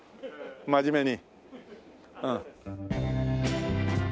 真面目に。